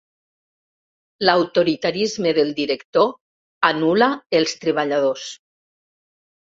L'autoritarisme del director anul·la els treballadors.